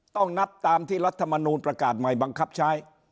ต้องนับตามที่รัฐมนูลประกาศใหม่บังคับใช้